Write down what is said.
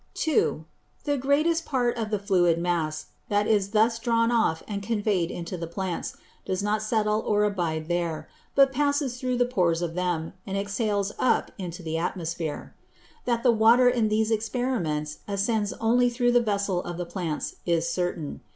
2. _The much greatest part of the fluid Mass, that is thus drawn off and convey'd into the Plants, does not settle or abide there; but passes through the pores of them, and exhales up into the Atmosphere._ That the Water in these Experiments ascended only through the Vessel of the Plants, is certain.